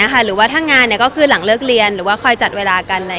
หรือว่าร่างงานน่ะก็คือหลังเลิกเรียนว่าจัดเวลาก็คุยกันตลอด